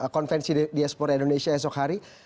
konvensi diaspora indonesia esok hari